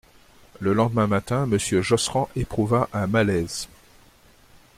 Le lendemain matin, Monsieur Josserand éprouva un malaise.